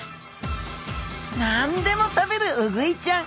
何でも食べるウグイちゃん。